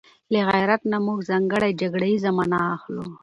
له غيرت نه موږ ځانګړې جګړه ييزه مانا اخلو